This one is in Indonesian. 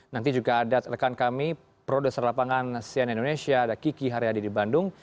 nanti juga ada rekan kami produser lapangan sian indonesia ada kiki haryadi di bandung